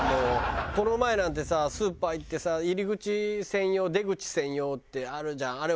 この前なんてスーパー行ってさ入り口専用出口専用ってあるじゃん。